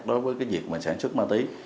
đối với việc sản xuất ma túy